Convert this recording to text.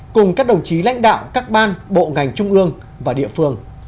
cùng các đồng chí lãnh đạo các ban bộ ngành trung ương và địa phương